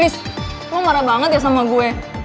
riz lo marah banget ya sama gue